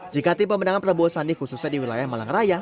jika tim pemenangan prabowo sandi khususnya di wilayah malang raya